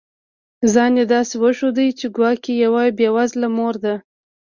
ځان یې داسي وښود چي ګواکي یوه بې وزله مور ده